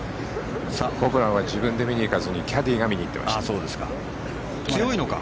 ホブランは自分で見に行かずにキャディーが見に行ってました。